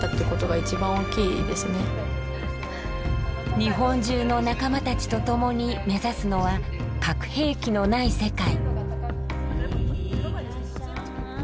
日本中の仲間たちと共に目指すのは核兵器のない世界。